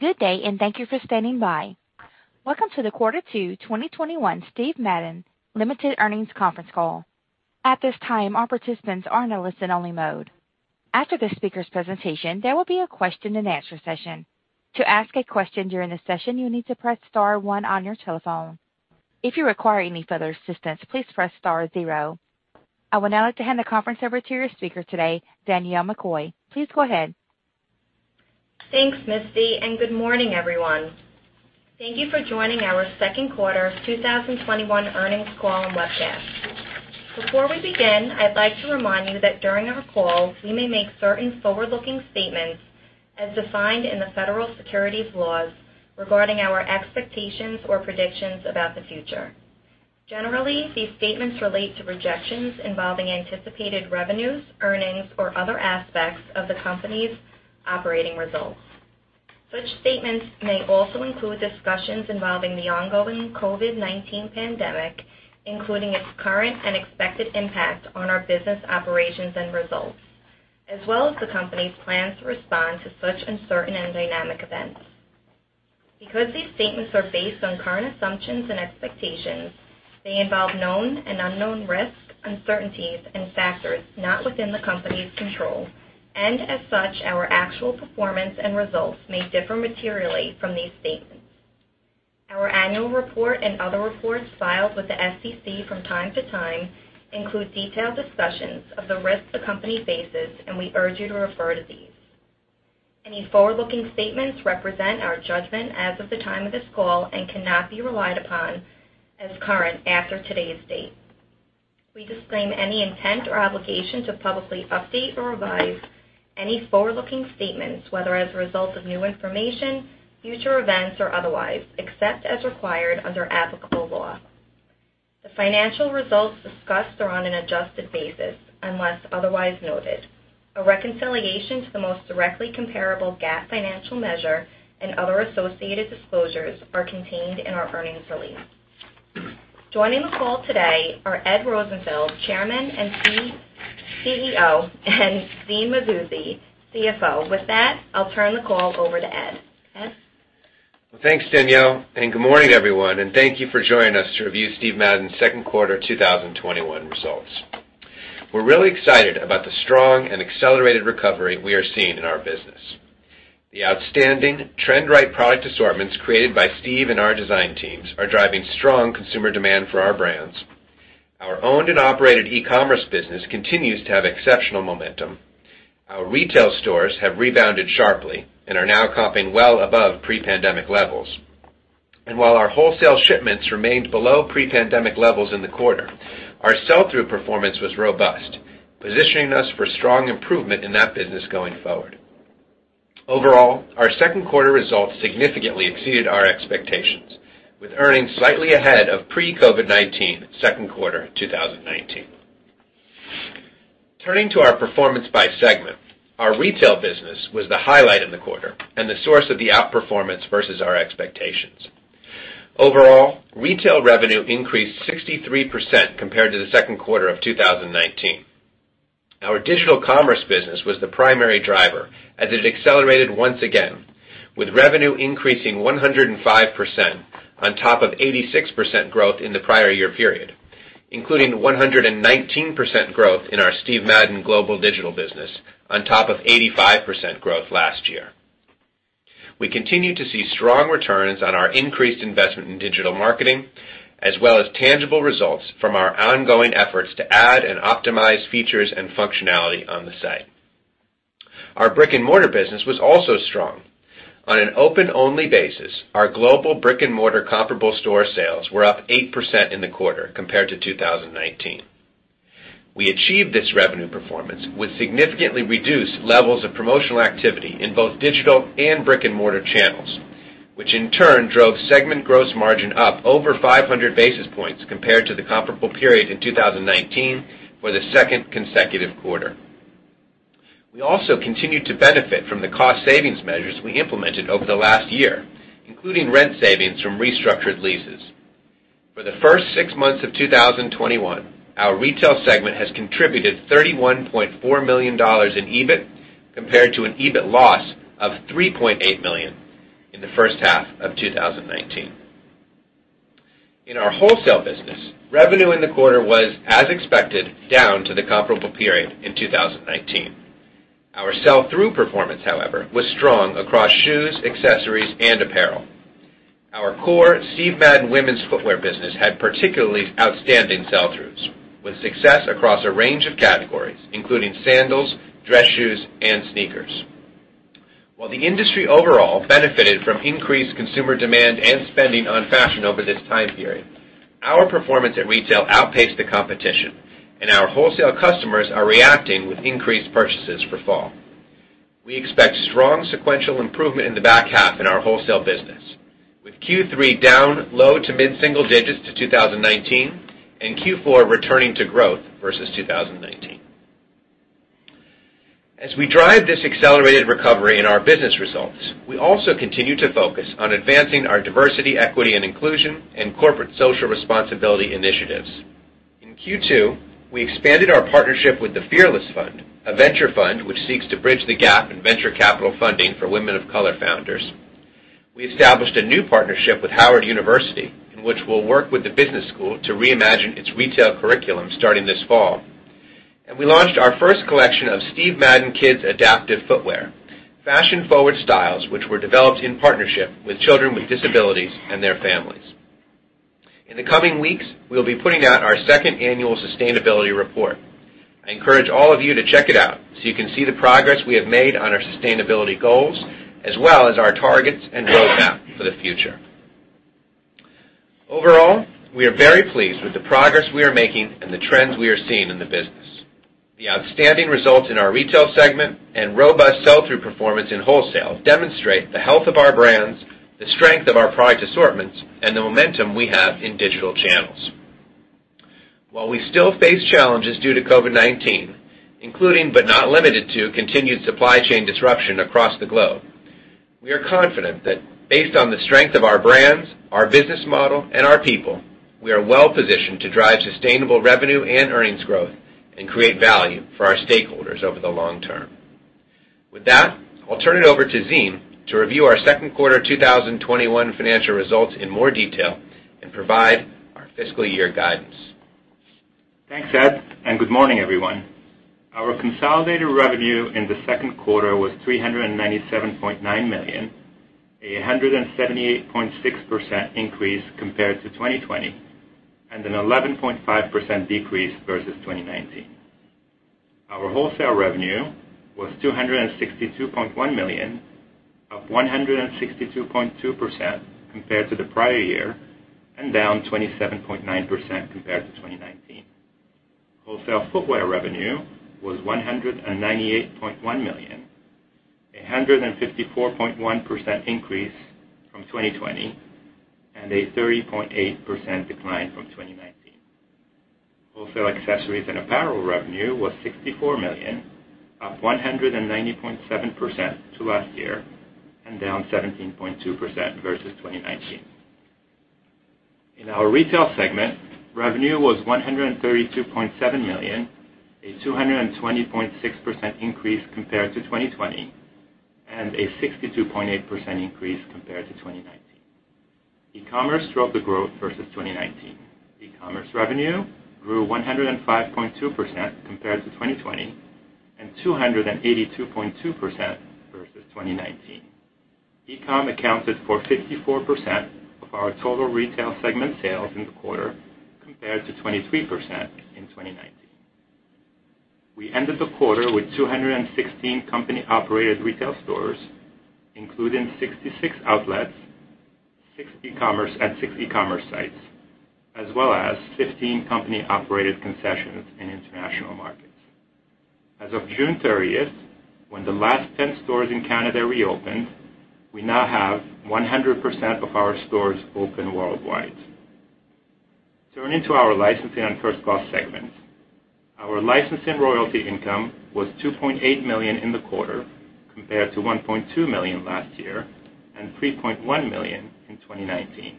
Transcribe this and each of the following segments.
Good day, and thank you for standing by. Welcome to the quarter two 2021 Steven Madden, Ltd. earnings conference call. At this time, all participants are in a listen-only mode. After the speaker's presentation, there will be a question-and-answer session. To ask a question during the session, you need to press star one on your telephone. If you require any further assistance, please press star zero. I would now like to hand the conference over to your speaker today, Danielle McCoy. Please go ahead. Thanks, Misti, and good morning, everyone. Thank you for joining our second quarter 2021 earnings call and webcast. Before we begin, I'd like to remind you that during our call, we may make certain forward-looking statements as defined in the federal securities laws regarding our expectations or predictions about the future. Generally, these statements relate to projections involving anticipated revenues, earnings, or other aspects of the company's operating results. Such statements may also include discussions involving the ongoing COVID-19 pandemic, including its current and expected impact on our business operations and results, as well as the company's plans to respond to such uncertain and dynamic events. Because these statements are based on current assumptions and expectations, they involve known and unknown risks, uncertainties, and factors not within the company's control, and as such, our actual performance and results may differ materially from these statements. Our annual report and other reports filed with the SEC from time to time include detailed discussions of the risks the company faces, and we urge you to refer to these. Any forward-looking statements represent our judgment as of the time of this call and cannot be relied upon as current after today's date. We disclaim any intent or obligation to publicly update or revise any forward-looking statements, whether as a result of new information, future events, or otherwise, except as required under applicable law. The financial results discussed are on an adjusted basis, unless otherwise noted. A reconciliation to the most directly comparable GAAP financial measure and other associated disclosures are contained in our earnings release. Joining the call today are Edward Rosenfeld, Chairman and CEO, and Zine Mazouzi, CFO. With that, I'll turn the call over to Ed. Ed? Well, thanks, Danielle, good morning, everyone, and thank you for joining us to review Steven Madden's second quarter 2021 results. We're really excited about the strong and accelerated recovery we are seeing in our business. The outstanding trend-right product assortments created by Steve and our design teams are driving strong consumer demand for our brands. Our owned and operated e-commerce business continues to have exceptional momentum. Our retail stores have rebounded sharply and are now comping well above pre-pandemic levels. While our wholesale shipments remained below pre-pandemic levels in the quarter, our sell-through performance was robust, positioning us for strong improvement in that business going forward. Overall, our second quarter results significantly exceeded our expectations, with earnings slightly ahead of pre-COVID-19 second quarter 2019. Turning to our performance by segment, our retail business was the highlight in the quarter and the source of the outperformance versus our expectations. Overall, retail revenue increased 63% compared to the second quarter of 2019. Our digital commerce business was the primary driver, as it accelerated once again, with revenue increasing 105% on top of 86% growth in the prior year period, including 119% growth in our Steven Madden global digital business on top of 85% growth last year. We continue to see strong returns on our increased investment in digital marketing, as well as tangible results from our ongoing efforts to add and optimize features and functionality on the site. Our brick-and-mortar business was also strong. On an open-only basis, our global brick-and-mortar comparable store sales were up 8% in the quarter compared to 2019. We achieved this revenue performance with significantly reduced levels of promotional activity in both digital and brick-and-mortar channels, which in turn drove segment gross margin up over 500 basis points compared to the comparable period in 2019 for the second consecutive quarter. We also continued to benefit from the cost savings measures we implemented over the last year, including rent savings from restructured leases. For the first six months of 2021, our retail segment has contributed $31.4 million in EBIT compared to an EBIT loss of $3.8 million in the first half of 2019. In our wholesale business, revenue in the quarter was, as expected, down to the comparable period in 2019. Our sell-through performance, however, was strong across shoes, accessories, and apparel. Our core Steven Madden Women's footwear business had particularly outstanding sell-throughs, with success across a range of categories, including sandals, dress shoes, and sneakers. While the industry overall benefited from increased consumer demand and spending on fashion over this time period, our performance at retail outpaced the competition, and our wholesale customers are reacting with increased purchases for fall. We expect strong sequential improvement in the back half in our wholesale business, with Q3 down low to mid-single digits to 2019 and Q4 returning to growth versus 2019. As we drive this accelerated recovery in our business results, we also continue to focus on advancing our diversity, equity, and inclusion and corporate social responsibility initiatives. In Q2, we expanded our partnership with the Fearless Fund, a venture fund which seeks to bridge the gap in venture capital funding for women of color founders. We established a new partnership with Howard University, in which we'll work with the business school to reimagine its retail curriculum starting this fall. We launched our first collection of Steve Madden Kids adaptive footwear, fashion-forward styles which were developed in partnership with children with disabilities and their families. In the coming weeks, we'll be putting out our second annual sustainability report. I encourage all of you to check it out so you can see the progress we have made on our sustainability goals, as well as our targets and roadmap for the future. Overall, we are very pleased with the progress we are making and the trends we are seeing in the business. The outstanding results in our retail segment and robust sell-through performance in wholesale demonstrate the health of our brands, the strength of our product assortments, and the momentum we have in digital channels. While we still face challenges due to COVID-19, including but not limited to continued supply chain disruption across the globe, we are confident that based on the strength of our brands, our business model, and our people, we are well-positioned to drive sustainable revenue and earnings growth and create value for our stakeholders over the long term. With that, I'll turn it over to Zine to review our second quarter 2021 financial results in more detail and provide our fiscal year guidance. Thanks, Ed, and good morning, everyone. Our consolidated revenue in the second quarter was $397.9 million, a 178.6% increase compared to 2020, and an 11.5% decrease versus 2019. Our wholesale revenue was $262.1 million, up 162.2% compared to the prior year, and down 27.9% compared to 2019. Wholesale footwear revenue was $198.1 million, 154.1% increase from 2020, and a 30.8% decline from 2019. Wholesale accessories and apparel revenue was $64 million, up 190.7% to last year, and down 17.2% versus 2019. In our retail segment, revenue was $132.7 million, a 220.6% increase compared to 2020, and a 62.8% increase compared to 2019. E-commerce drove the growth versus 2019. E-commerce revenue grew 105.2% compared to 2020, and 282.2% versus 2019. E-com accounted for 54% of our total retail segment sales in the quarter, compared to 23% in 2019. We ended the quarter with 216 company-operated retail stores, including 66 outlets, six e-commerce sites, as well as 15 company-operated concessions in international markets. As of June 30th, when the last 10 stores in Canada reopened, we now have 100% of our stores open worldwide. Turning to our licensing and first cost segments. Our license and royalty income was $2.8 million in the quarter, compared to $1.2 million last year and $3.1 million in 2019.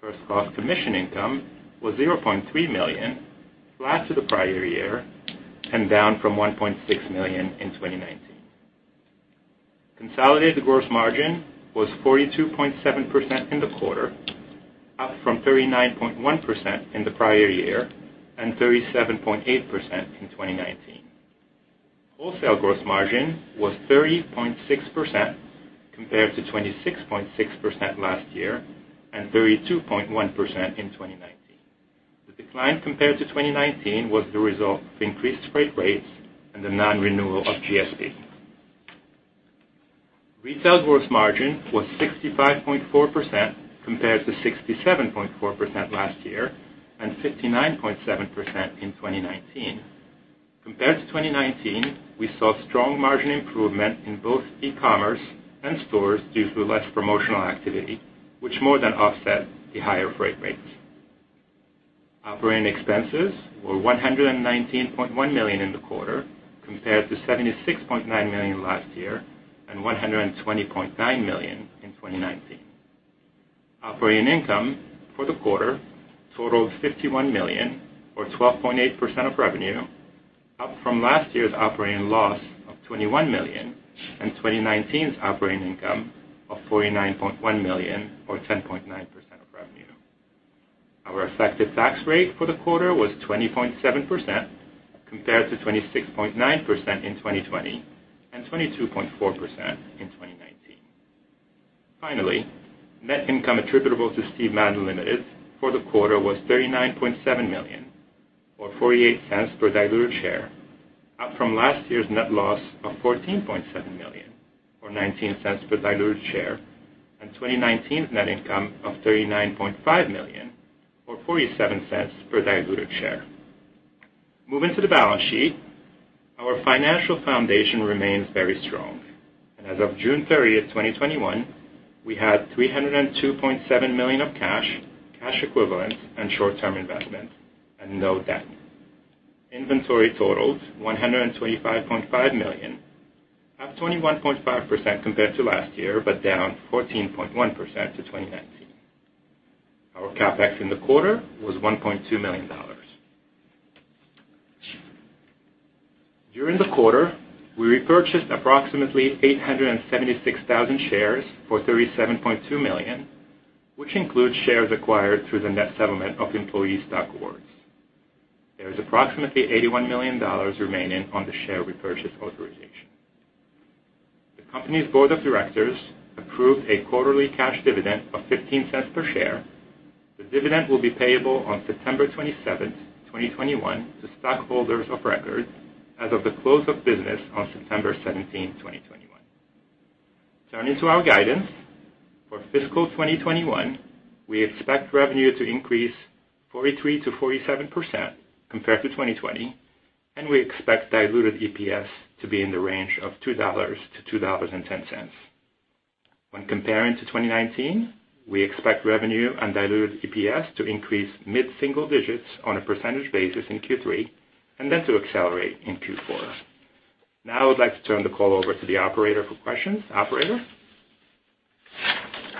First cost commission income was $0.3 million, flat to the prior year, and down from $1.6 million in 2019. Consolidated gross margin was 42.7% in the quarter, up from 39.1% in the prior year and 37.8% in 2019. Wholesale gross margin was 30.6% compared to 26.6% last year and 32.1% in 2019. The decline compared to 2019 was the result of increased freight rates and the non-renewal of GSP. Retail gross margin was 65.4% compared to 67.4% last year, and 59.7% in 2019. Compared to 2019, we saw strong margin improvement in both e-commerce and stores due to less promotional activity, which more than offset the higher freight rates. Operating expenses were $119.1 million in the quarter, compared to $76.9 million last year and $120.9 million in 2019. Operating income for the quarter totaled $51 million or 12.8% of revenue, up from last year's operating loss of $21 million and 2019's operating income of $49.1 million or 10.9% of revenue. Our effective tax rate for the quarter was 20.7% compared to 26.9% in 2020 and 22.4% in 2019. Finally, net income attributable to Steven Madden, Ltd for the quarter was $39.7 million, or $0.48 per diluted share, up from last year's net loss of $14.7 million or $0.19 per diluted share, and 2019's net income of $39.5 million or $0.47 per diluted share. Moving to the balance sheet, our financial foundation remains very strong. As of June 30th, 2021, we had $302.7 million of cash equivalents, and short-term investments, and no debt. Inventory totaled $125.5 million, up 21.5% compared to last year, but down 14.1% to 2019. Our CapEx in the quarter was $1.2 million. During the quarter, we repurchased approximately 876,000 shares for $37.2 million, which includes shares acquired through the net settlement of employee stock awards. There is approximately $81 million remaining on the share repurchase authorization. The company's board of directors approved a quarterly cash dividend of $0.15 per share. The dividend will be payable on September 27th, 2021, to stockholders of record as of the close of business on September 17, 2021. Turning to our guidance. For fiscal 2021, we expect revenue to increase 43%-47% compared to 2020, and we expect diluted EPS to be in the range of $2-$2.10. When comparing to 2019, we expect revenue and diluted EPS to increase mid-single digits on a percentage basis in Q3, and then to accelerate in Q4. I would like to turn the call over to the operator for questions. Operator?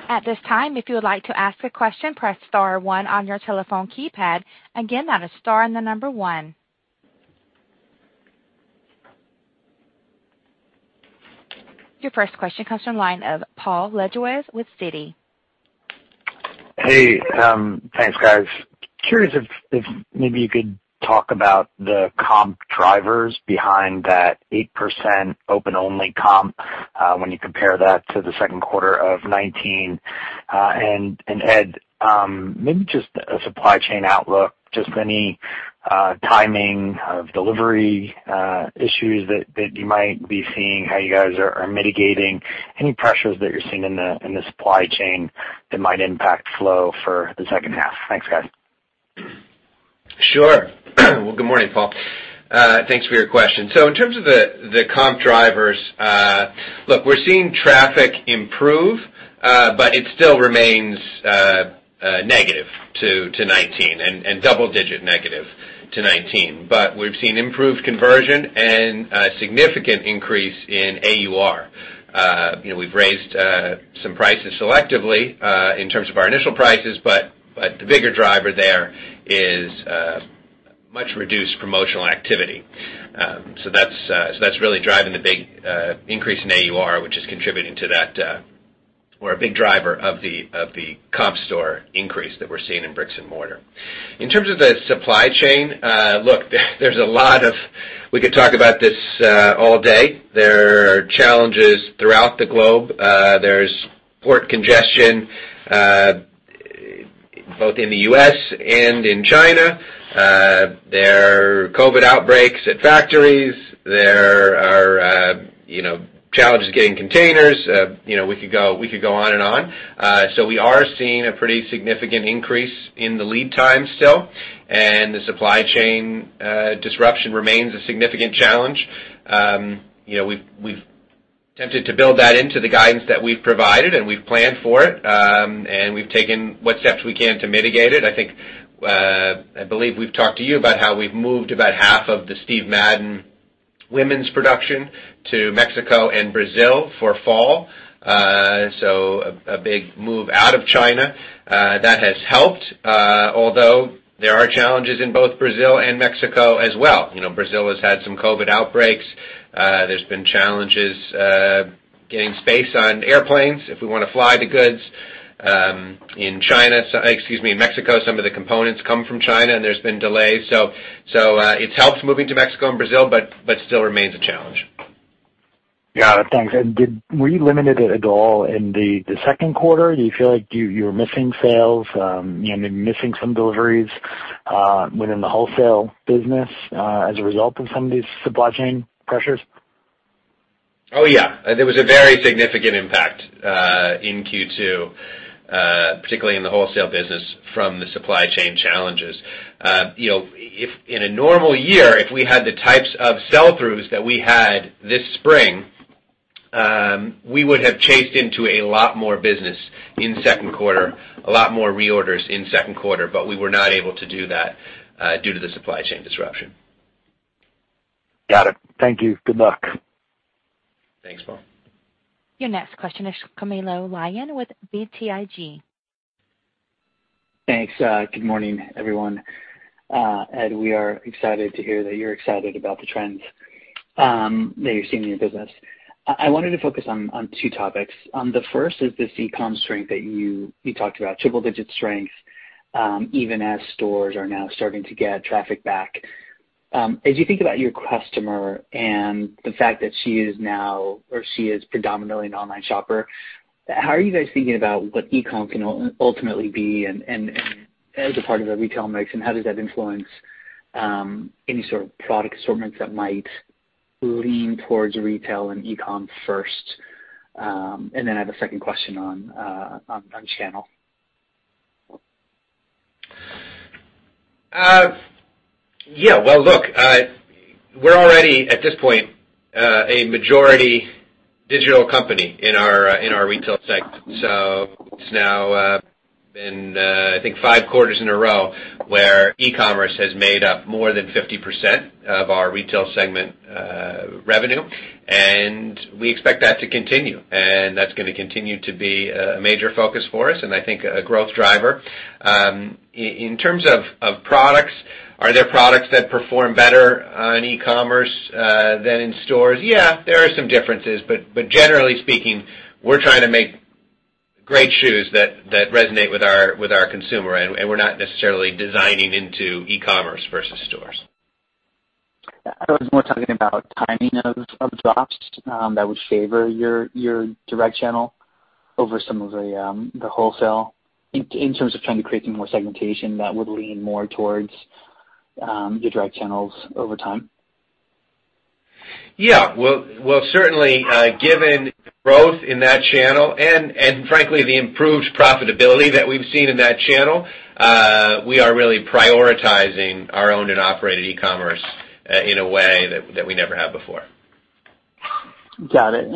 At this time if you would like to ask a question press star one on your telephone keypad. Again, that is star then number one. Your first question comes from the line of Paul Lejuez with Citi. Hey. Thanks, guys. Curious if maybe you could talk about the comp drivers behind that 8% open-only comp, when you compare that to the second quarter of 2019. Ed, maybe just a supply chain outlook, just any timing of delivery issues that you might be seeing, how you guys are mitigating any pressures that you're seeing in the supply chain that might impact flow for the second half. Thanks, guys. Sure. Well, good morning, Paul. Thanks for your question. In terms of the comp drivers, look, we're seeing traffic improve, but it still remains negative to 2019, and double-digit negative to 2019. We've seen improved conversion and a significant increase in AUR. We've raised some prices selectively in terms of our initial prices, but the bigger driver there is much reduced promotional activity. That's really driving the big increase in AUR, which is contributing to that, or a big driver of the comp store increase that we're seeing in bricks and mortar. In terms of the supply chain, look, we could talk about this all day. There are challenges throughout the globe. There's port congestion, both in the U.S. and in China. There are COVID outbreaks at factories. There are challenges getting containers. We could go on and on. We are seeing a pretty significant increase in the lead times still, and the supply chain disruption remains a significant challenge. We've attempted to build that into the guidance that we've provided, and we've planned for it. We've taken what steps we can to mitigate it. I believe we've talked to you about how we've moved about half of the Steve Madden Women's production to Mexico and Brazil for fall. A big move out of China. That has helped. There are challenges in both Brazil and Mexico as well. Brazil has had some COVID outbreaks. There's been challenges getting space on airplanes if we want to fly the goods. In Mexico, some of the components come from China, and there's been delays. It's helped moving to Mexico and Brazil, but still remains a challenge. Got it. Thanks. Were you limited at all in the second quarter? Do you feel like you're missing sales, maybe missing some deliveries within the wholesale business, as a result of some of these supply chain pressures? Oh, yeah. There was a very significant impact in Q2, particularly in the wholesale business, from the supply chain challenges. In a normal year, if we had the types of sell-throughs that we had this spring, we would have chased into a lot more business in second quarter, a lot more reorders in second quarter, but we were not able to do that due to the supply chain disruption. Got it. Thank you. Good luck. Thanks, Paul. Your next question is from Camilo Lyon with BTIG. Thanks. Good morning, everyone. Ed, we are excited to hear that you're excited about the trends that you're seeing in your business. I wanted to focus on two topics. The first is this e-com strength that you talked about, triple-digit strength, even as stores are now starting to get traffic back. As you think about your customer and the fact that she is predominantly an online shopper, how are you guys thinking about what e-com can ultimately be as a part of the retail mix, and how does that influence any sort of product assortments that might lean towards retail and e-com first? Then I have a second question on channel. Yeah. Well, look, we're already, at this point, a majority digital company in our retail segment. it's now been, I think five quarters in a row where e-commerce has made up more than 50% of our retail segment revenue. We expect that to continue. That's going to continue to be a major focus for us, and I think a growth driver. In terms of products, are there products that perform better on e-commerce than in stores? Yeah, there are some differences, but generally speaking, we're trying to make great shoes that resonate with our consumer, and we're not necessarily designing into e-commerce versus stores. Yeah. I was more talking about timing of drops, that would favor your direct channel over some of the wholesale in terms of trying to create some more segmentation that would lean more towards your direct channels over time. Yeah. Well, certainly, given growth in that channel and frankly, the improved profitability that we've seen in that channel, we are really prioritizing our owned and operated e-commerce in a way that we never have before. Got it.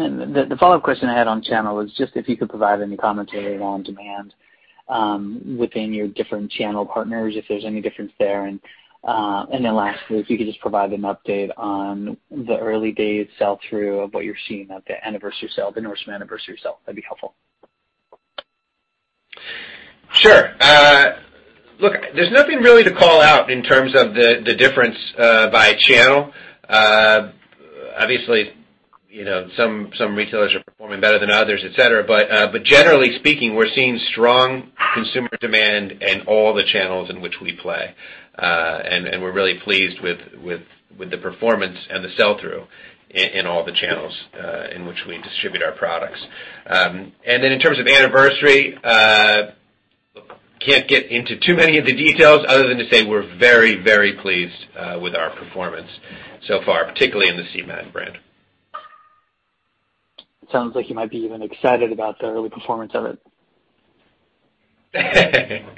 The follow-up question I had on channel was just if you could provide any commentary on demand within your different channel partners, if there's any difference there. Lastly, if you could just provide an update on the early days sell-through of what you're seeing of the Anniversary Sale, the Nordstrom Anniversary Sale, that'd be helpful. Look, there's nothing really to call out in terms of the difference by channel. Obviously, some retailers are performing better than others, et cetera. Generally speaking, we're seeing strong consumer demand in all the channels in which we play. We're really pleased with the performance and the sell-through in all the channels in which we distribute our products. In terms of anniversary, can't get into too many of the details other than to say we're very, very pleased with our performance so far, particularly in the Steve Madden brand. Sounds like you might be even excited about the early performance of it.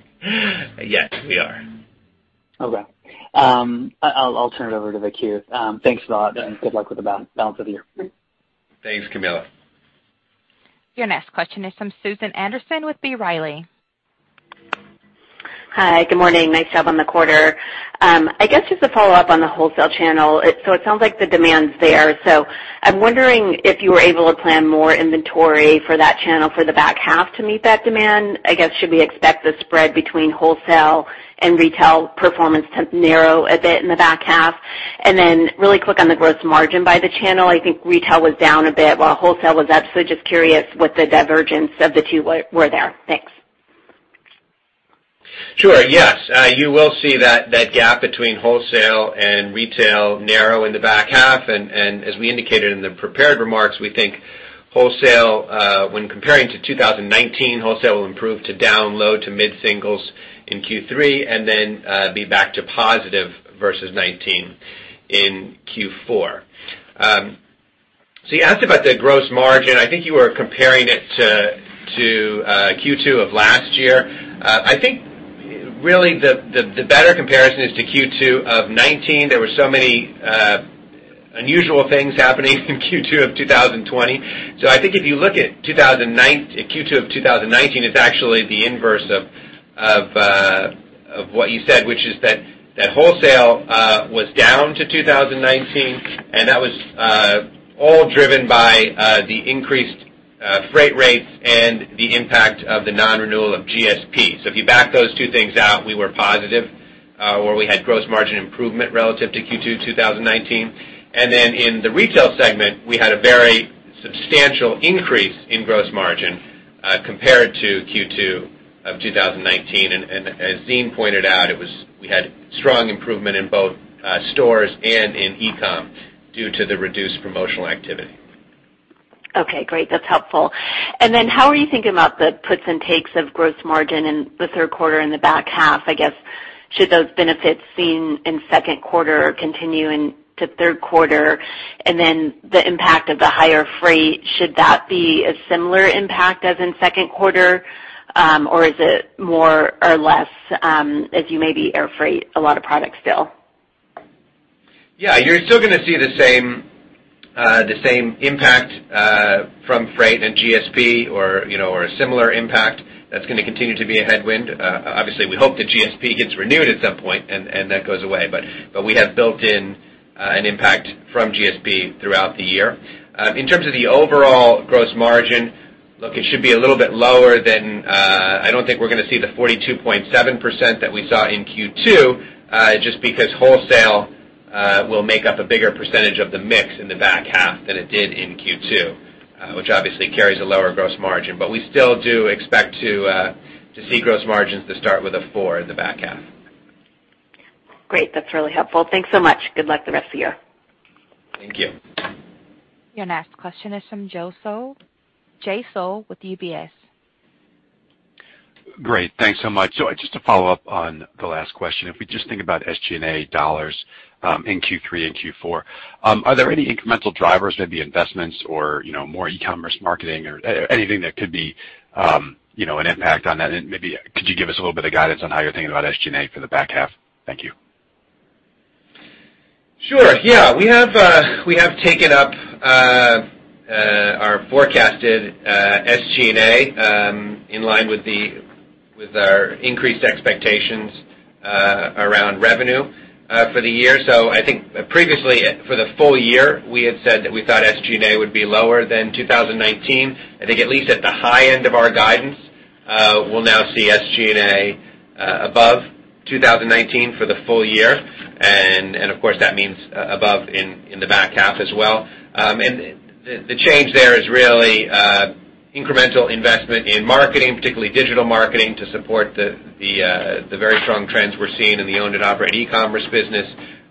Yes, we are. Okay. I'll turn it over to Misti. Thanks a lot, and good luck with the balance of the year. Thanks, Camilo. Your next question is from Susan Anderson with B. Riley. Hi. Good morning. Nice job on the quarter. I guess just to follow up on the wholesale channel. It sounds like the demand's there, so I'm wondering if you were able to plan more inventory for that channel for the back half to meet that demand. I guess, should we expect the spread between wholesale and retail performance to narrow a bit in the back half? Then really quick on the gross margin by the channel, I think retail was down a bit while wholesale was up, so just curious what the divergence of the two were there. Thanks. Sure. Yes. You will see that gap between wholesale and retail narrow in the back half. As we indicated in the prepared remarks, we think wholesale, when comparing to 2019, wholesale will improve to down low to mid singles in Q3, then be back to positive versus 2019 in Q4. You asked about the gross margin. I think you were comparing it to Q2 of last year. I think really the better comparison is to Q2 of 2019. There were so many unusual things happening in Q2 of 2020. I think if you look at Q2 of 2019, it's actually the inverse of what you said, which is that wholesale was down to 2019. That was all driven by the increased freight rates and the impact of the non-renewal of GSP. If you back those two things out, we were positive, where we had gross margin improvement relative to Q2 2019. In the retail segment, we had a very substantial increase in gross margin, compared to Q2 of 2019. As Zine pointed out, we had strong improvement in both stores and in e-com due to the reduced promotional activity. Okay, great. That's helpful. How are you thinking about the puts and takes of gross margin in the third quarter, in the back half, I guess? Should those benefits seen in second quarter continue into third quarter? The impact of the higher freight, should that be a similar impact as in second quarter or is it more or less, as you maybe air freight a lot of products still? Yeah, you're still going to see the same impact from freight and GSP or a similar impact. That's going to continue to be a headwind. Obviously, we hope that GSP gets renewed at some point and that goes away, but we have built in an impact from GSP throughout the year. In terms of the overall gross margin, look, it should be a little bit lower than I don't think we're going to see the 42.7% that we saw in Q2, just because wholesale will make up a bigger percentage of the mix in the back half than it did in Q2, which obviously carries a lower gross margin. We still do expect to see gross margins that start with a four in the back half. Great. That's really helpful. Thanks so much. Good luck the rest of the year. Thank you. Your next question is from Jay Sole with UBS. Great. Thanks so much. Just to follow up on the last question, if we just think about SG&A dollars in Q3 and Q4, are there any incremental drivers, maybe investments or more e-commerce marketing or anything that could be an impact on that? Maybe could you give us a little bit of guidance on how you're thinking about SG&A for the back half? Thank you. Sure. We have taken up our forecasted SG&A in line with our increased expectations around revenue for the year. I think previously for the full year, we had said that we thought SG&A would be lower than 2019. I think at least at the high end of our guidance, we'll now see SG&A above 2019 for the full year. Of course, that means above in the back half as well. The change there is really incremental investment in marketing, particularly digital marketing, to support the very strong trends we're seeing in the owned and operated e-commerce business,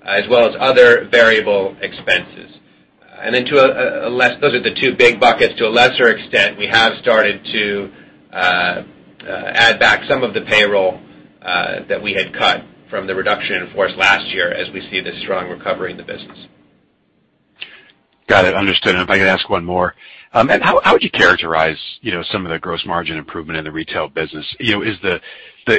as well as other variable expenses. Those are the two big buckets. To a lesser extent, we have started to add back some of the payroll that we had cut from the reduction in force last year as we see this strong recovery in the business. Got it. Understood. If I could ask one more. How would you characterize some of the gross margin improvement in the retail business? Is the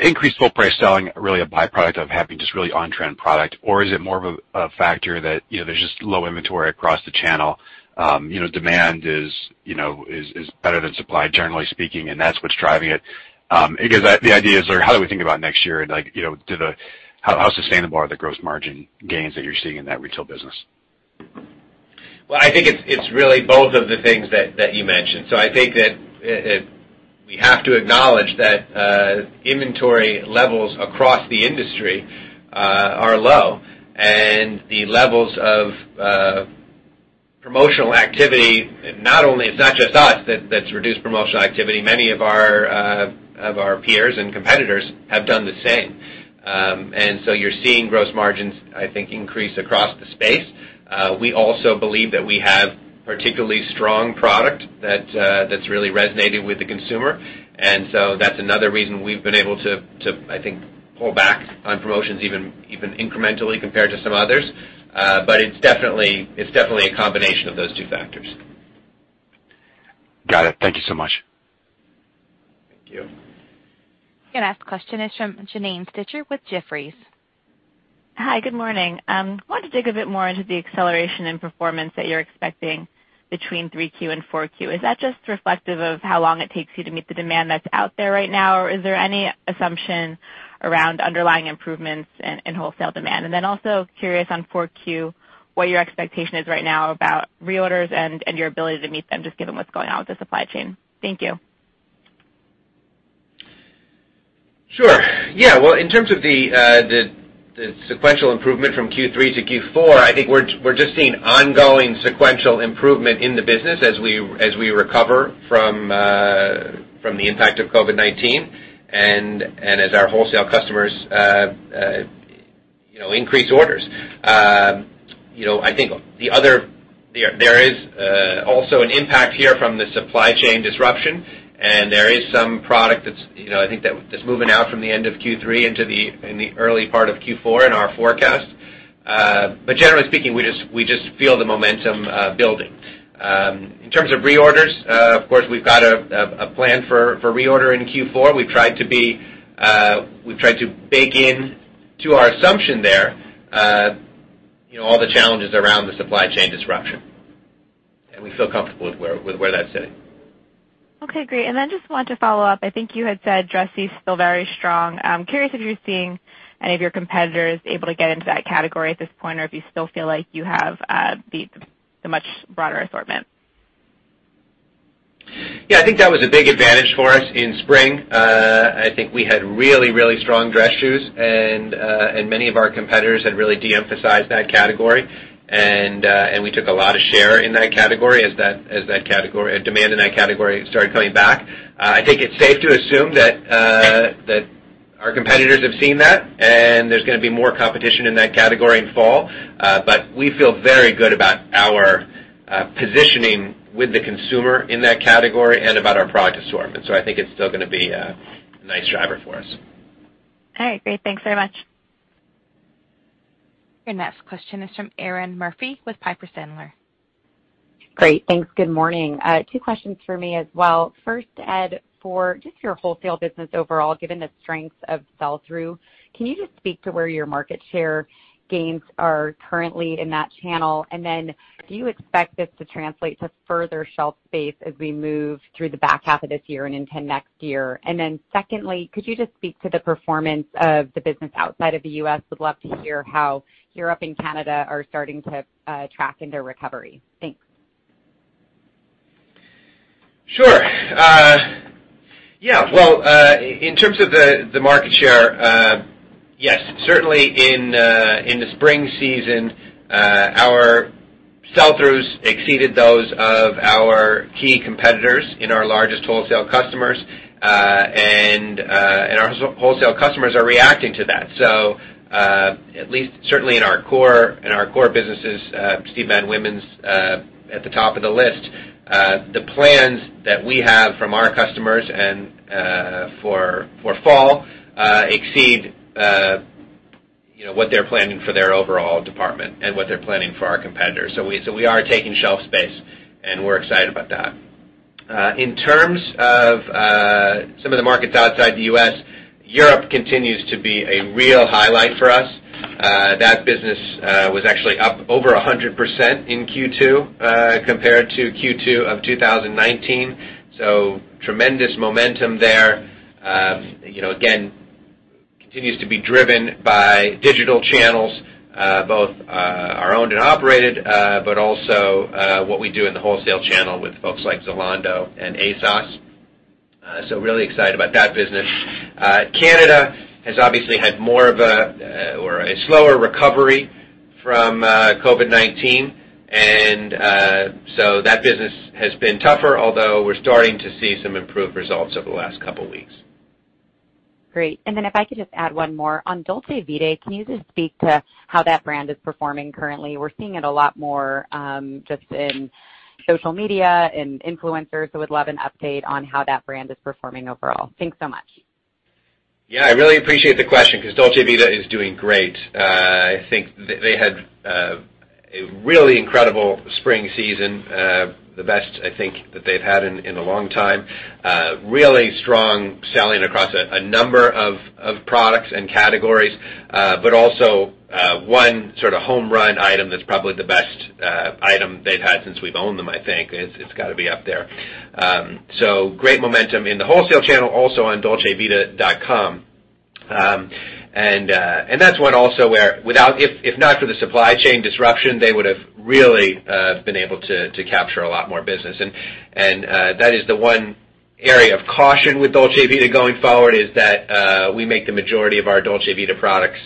increased full price selling really a byproduct of having just really on-trend product, or is it more of a factor that there's just low inventory across the channel? Demand is better than supply, generally speaking, and that's what's driving it. The ideas are how do we think about next year and how sustainable are the gross margin gains that you're seeing in that retail business? I think it's really both of the things that you mentioned. I think that we have to acknowledge that inventory levels across the industry are low and the levels of promotional activity, it's not just us that's reduced promotional activity. Many of our peers and competitors have done the same. You're seeing gross margins, I think, increase across the space. We also believe that we have particularly strong product that's really resonating with the consumer. That's another reason we've been able to, I think, pull back on promotions even incrementally compared to some others. It's definitely a combination of those two factors. Got it. Thank you so much. Thank you. Your next question is from Janine Stichter with Jefferies. Hi, good morning. I wanted to dig a bit more into the acceleration in performance that you're expecting between 3Q and 4Q. Is that just reflective of how long it takes you to meet the demand that's out there right now, or is there any assumption around underlying improvements in wholesale demand? Also curious on 4Q, what your expectation is right now about reorders and your ability to meet them, just given what's going on with the supply chain. Thank you. Sure. Yeah. Well, in terms of the sequential improvement from Q3 to Q4, I think we're just seeing ongoing sequential improvement in the business as we recover from the impact of COVID-19 and as our wholesale customers increase orders. I think there is also an impact here from the supply chain disruption, and there is some product that's moving out from the end of Q3 into the early part of Q4 in our forecast. Generally speaking, we just feel the momentum building. In terms of reorders, of course, we've got a plan for reorder in Q4. We've tried to bake in to our assumption there all the challenges around the supply chain disruption. We feel comfortable with where that's sitting. Okay, great. Just wanted to follow up. I think you had said dressy is still very strong. I'm curious if you're seeing any of your competitors able to get into that category at this point, or if you still feel like you have the much broader assortment. Yeah, I think that was a big advantage for us in spring. I think we had really, really strong dress shoes, many of our competitors had really de-emphasized that category. We took a lot of share in that category as demand in that category started coming back. I think it's safe to assume that our competitors have seen that, there's going to be more competition in that category in fall. We feel very good about our positioning with the consumer in that category and about our product assortment. I think it's still going to be a nice driver for us. All right. Great. Thanks very much. Your next question is from Erinn Murphy with Piper Sandler. Great. Thanks. Good morning. Two questions for me as well. First, Ed, for just your wholesale business overall, given the strength of sell-through, can you just speak to where your market share gains are currently in that channel? Do you expect this to translate to further shelf space as we move through the back half of this year and into next year? Secondly, could you just speak to the performance of the business outside of the U.S.? Would love to hear how Europe and Canada are starting to track in their recovery. Thanks. Sure. Yeah. Well, in terms of the market share, yes, certainly in the spring season, our sell-throughs exceeded those of our key competitors in our largest wholesale customers. Our wholesale customers are reacting to that. At least certainly in our core businesses, Steve Madden Women's at the top of the list, the plans that we have from our customers for fall exceed what they're planning for their overall department and what they're planning for our competitors. We are taking shelf space, and we're excited about that. In terms of some of the markets outside the U.S., Europe continues to be a real highlight for us. That business was actually up over 100% in Q2 compared to Q2 of 2019. Tremendous momentum there. Again, continues to be driven by digital channels, both our owned and operated, but also what we do in the wholesale channel with folks like Zalando and ASOS. Really excited about that business. Canada has obviously had more of a, or a slower recovery from COVID-19, that business has been tougher, although we're starting to see some improved results over the last couple of weeks. Great. If I could just add one more. On Dolce Vita, can you just speak to how that brand is performing currently? We're seeing it a lot more, just in social media, in influencers, so would love an update on how that brand is performing overall. Thanks so much. Yeah, I really appreciate the question because Dolce Vita is doing great. I think they had a really incredible spring season, the best, I think, that they've had in a long time. Really strong selling across a number of products and categories. Also, one sort of home-run item that's probably the best item they've had since we've owned them, I think. It's got to be up there. Great momentum in the wholesale channel, also on dolcevita.com. That's one also where, if not for the supply chain disruption, they would've really been able to capture a lot more business. That is the one area of caution with Dolce Vita going forward, is that we make the majority of our Dolce Vita products,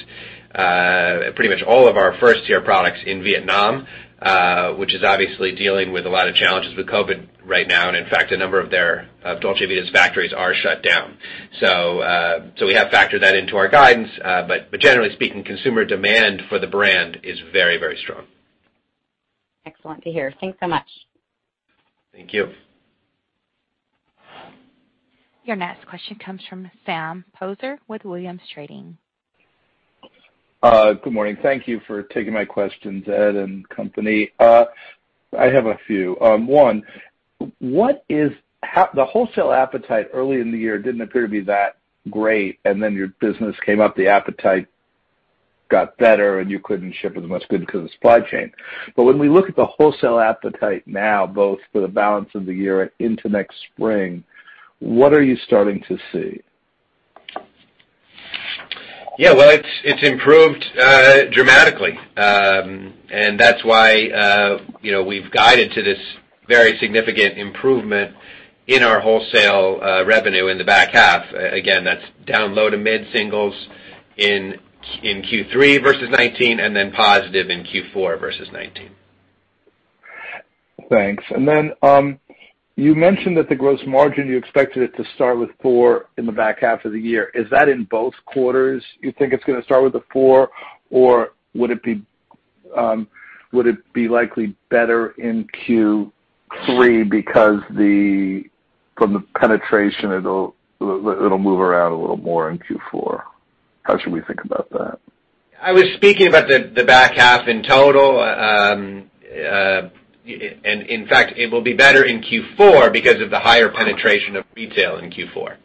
pretty much all of our first-tier products, in Vietnam, which is obviously dealing with a lot of challenges with COVID right now. In fact, a number of Dolce Vita's factories are shut down. We have factored that into our guidance. Generally speaking, consumer demand for the brand is very strong. Excellent to hear. Thanks so much. Thank you. Your next question comes from Sam Poser with Williams Trading. Good morning. Thank you for taking my questions, Ed and company. I have a few. One, the wholesale appetite early in the year didn't appear to be that great, and then your business came up, the appetite got better, and you couldn't ship as much good because of the supply chain. When we look at the wholesale appetite now, both for the balance of the year into next spring, what are you starting to see? Yeah. Well, it's improved dramatically. That's why we've guided to this very significant improvement in our wholesale revenue in the back half. Again, that's down low to mid singles in Q3 versus 2019, and then positive in Q4 versus 2019. Thanks. You mentioned that the gross margin, you expected it to start with 40% in the back half of the year. Is that in both quarters, you think it's gonna start with a 40%, or would it be likely better in Q3 because from the penetration, it'll move around a little more in Q4? How should we think about that? I was speaking about the back half in total. In fact, it will be better in Q4 because of the higher penetration of retail in Q4.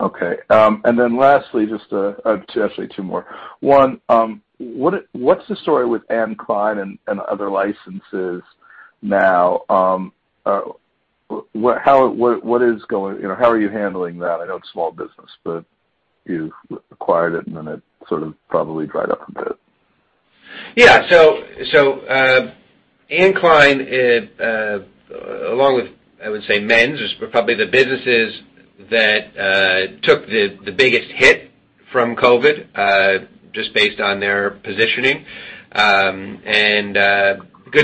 Okay. Lastly, actually two more. One, what's the story with Anne Klein and other licenses now? How are you handling that? I know it's small business, but you acquired it, and then it sort of probably dried up a bit. Yeah. Anne Klein, along with, I would say, Men's, were probably the businesses that took the biggest hit from COVID, just based on their positioning. Good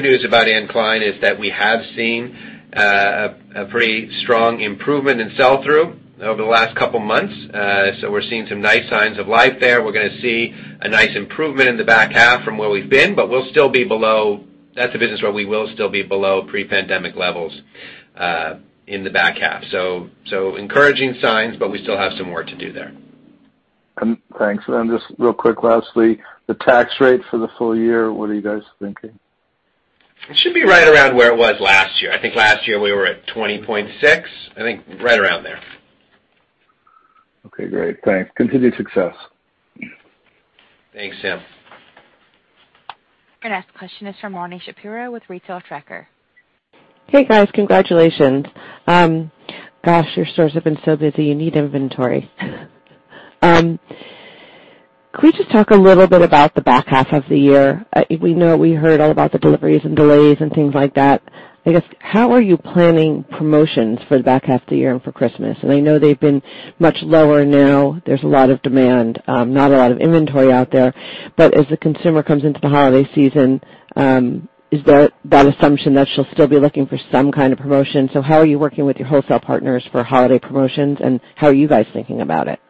news about Anne Klein is that we have seen a pretty strong improvement in sell-through over the last couple of months. We're seeing some nice signs of life there. We're gonna see a nice improvement in the back half from where we've been, but that's a business where we will still be below pre-pandemic levels in the back half. Encouraging signs, but we still have some work to do there. Thanks. Just real quick, lastly, the tax rate for the full year, what are you guys thinking? It should be right around where it was last year. I think last year we were at 20.6. I think right around there. Okay, great. Thanks. Continued success. Thanks, Sam. Your next question is from Marni Shapiro with The Retail Tracker. Hey, guys. Congratulations. Gosh, your stores have been so busy. You need inventory. Could we just talk a little bit about the back half of the year? We know we heard all about the deliveries and delays and things like that. I guess, how are you planning promotions for the back half of the year and for Christmas? I know they've been much lower now. There's a lot of demand. Not a lot of inventory out there. As the consumer comes into the holiday season, is that assumption that she'll still be looking for some kind of promotion. How are you working with your wholesale partners for holiday promotions, and how are you guys thinking about it?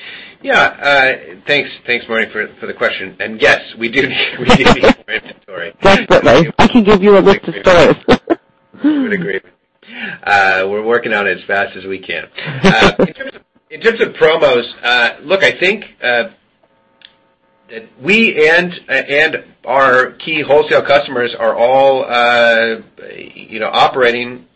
Yeah. Thanks, Marni, for the question. Yes, we do need more inventory. Desperately. I could give you a list of stores. I would agree. We're working on it as fast as we can. In terms of promos, look, I think, we and our key wholesale customers are all operating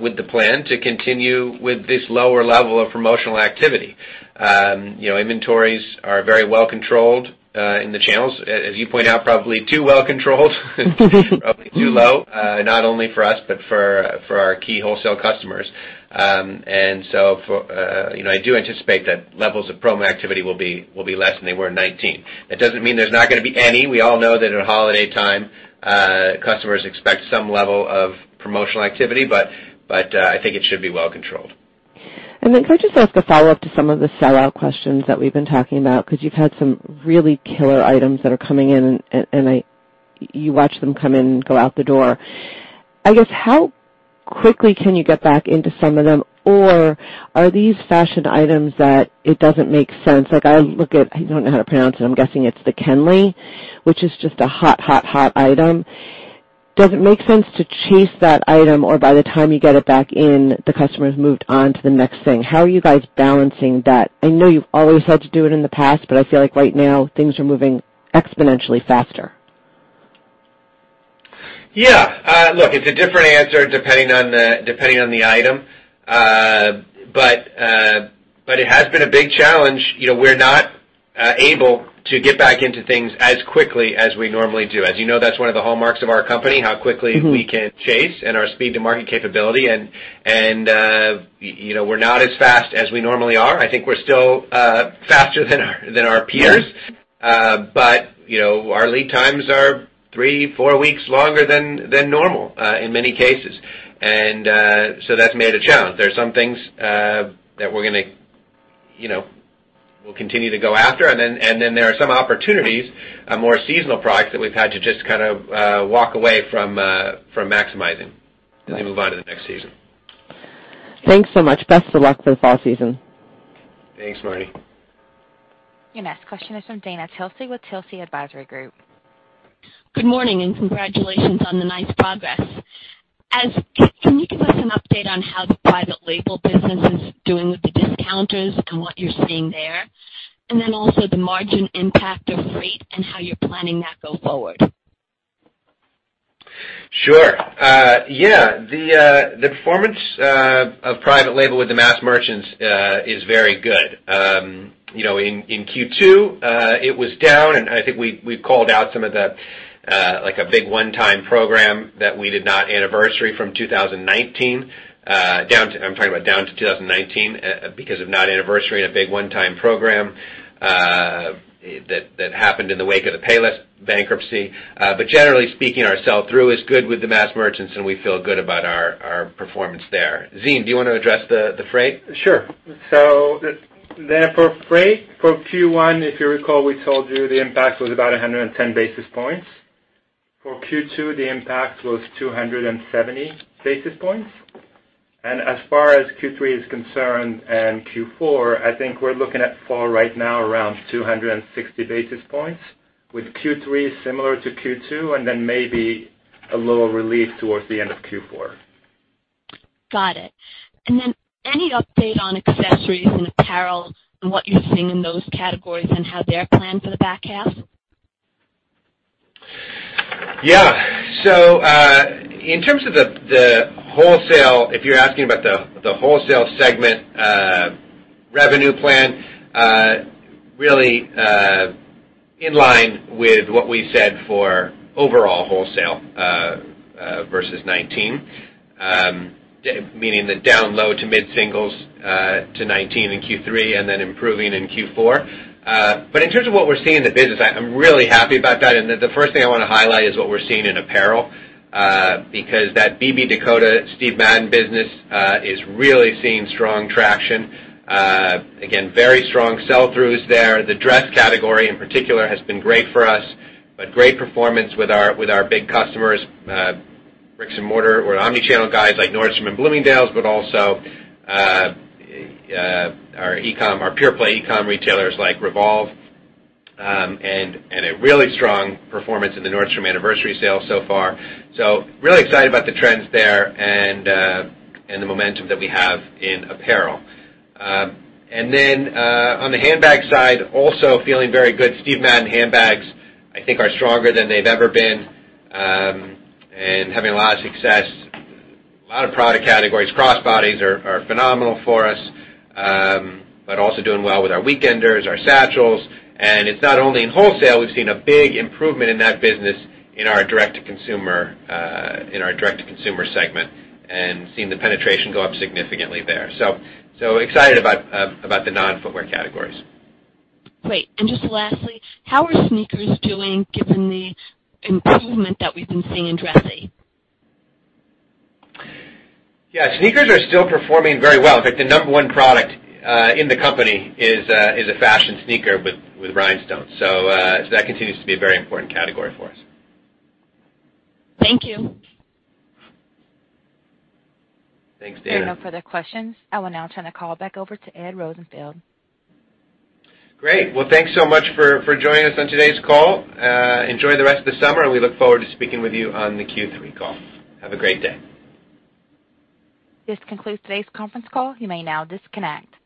with the plan to continue with this lower level of promotional activity. Inventories are very well-controlled in the channels. As you point out, probably too well-controlled, probably too low, not only for us but for our key wholesale customers. I do anticipate that levels of promo activity will be less than they were in 2019. That doesn't mean there's not going to be any. We all know that at holiday time, customers expect some level of promotional activity, but I think it should be well-controlled. Could I just ask a follow-up to some of the sellout questions that we've been talking about? You've had some really killer items that are coming in, and you watch them come in and go out the door. I guess, how quickly can you get back into some of them? Are these fashion items that it doesn't make sense? Like I look at, I don't know how to pronounce it, I'm guessing it's the Kenley, which is just a hot item. Does it make sense to chase that item? By the time you get it back in, the customer's moved on to the next thing. How are you guys balancing that? I know you've always had to do it in the past, but I feel like right now things are moving exponentially faster. Yeah. Look, it's a different answer depending on the item. It has been a big challenge. We're not able to get back into things as quickly as we normally do. As you know, that's one of the hallmarks of our company, how quickly we can chase and our speed to market capability. We're not as fast as we normally are. I think we're still faster than our peers. Our lead times are three, four weeks longer than normal in many cases. So that's made it a challenge. There are some things that we'll continue to go after. Then there are some opportunities, more seasonal products that we've had to just walk away from maximizing as we move on to the next season. Thanks so much. Best of luck for the fall season. Thanks, Marni. Your next question is from Dana Telsey with Telsey Advisory Group. Good morning, congratulations on the nice progress. Can you give us an update on how the private label business is doing with the discounters and what you're seeing there? Also the margin impact of freight and how you're planning that going forward. Sure. Yeah. The performance of private label with the mass merchants is very good. In Q2, it was down, and I think we called out a big one-time program that we did not anniversary from 2019. I'm talking about down to 2019 because of not anniversarying a big one-time program that happened in the wake of the Payless bankruptcy. Generally speaking, our sell-through is good with the mass merchants, and we feel good about our performance there. Zine, do you want to address the freight? Sure. For freight for Q1, if you recall, we told you the impact was about 110 basis points. For Q2, the impact was 270 basis points. As far as Q3 is concerned and Q4, I think we're looking at fall right now around 260 basis points, with Q3 similar to Q2, and then maybe a little relief towards the end of Q4. Got it. Any update on accessories and apparel and what you're seeing in those categories and how they're planned for the back half? Yeah. In terms of the wholesale, if you're asking about the wholesale segment revenue plan, really in line with what we said for overall wholesale versus 2019. Meaning the down low to mid singles to 2019 in Q3 and then improving in Q4. In terms of what we're seeing in the business, I'm really happy about that. The first thing I want to highlight is what we're seeing in apparel, because that BB Dakota, Steven Madden business is really seeing strong traction. Again, very strong sell-throughs there. The dress category in particular has been great for us, but great performance with our big customers, bricks-and-mortar or omni-channel guys like Nordstrom and Bloomingdale's, but also our pure-play e-com retailers like Revolve, and a really strong performance in the Nordstrom Anniversary Sale so far. Really excited about the trends there and the momentum that we have in apparel. On the handbag side, also feeling very good. Steven Madden handbags, I think, are stronger than they've ever been, and having a lot of success. A lot of product categories. Crossbodies are phenomenal for us. Also doing well with our weekenders, our satchels. It's not only in wholesale, we've seen a big improvement in that business in our direct-to-consumer segment and seen the penetration go up significantly there. Excited about the non-footwear categories. Great. Just lastly, how are sneakers doing given the improvement that we've been seeing in dressy? Yeah, sneakers are still performing very well. In fact, the number one product in the company is a fashion sneaker with rhinestones. That continues to be a very important category for us. Thank you. Thanks, Dana. There are no further questions. I will now turn the call back over to Edward Rosenfeld. Great. Well, thanks so much for joining us on today's call. Enjoy the rest of the summer, and we look forward to speaking with you on the Q3 call. Have a great day. This concludes today's conference call. You may now disconnect.